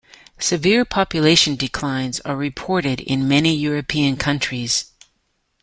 Severe population declines are reported in many European countries.